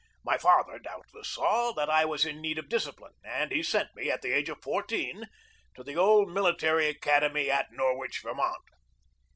My father doubtless saw that I was in need of discipline, and he sent me, at the age of fourteen, to the old Mili tary Academy at Norwich, Vermont.